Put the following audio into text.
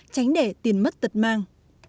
tránh để tiền mất tật mang